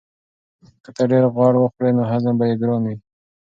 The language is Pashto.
که ته ډېر غوړ وخورې نو هضم به یې ګران وي.